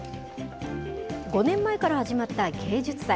５年前から始まった芸術祭。